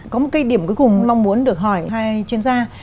có một cái điểm cuối cùng mong muốn được hỏi hai chuyên gia